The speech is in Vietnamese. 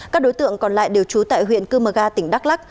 các đối tượng còn lại đều trú tại huyện cư mờ ga tỉnh đắk lắc